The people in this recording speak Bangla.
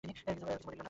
কিছু মনে নিও না।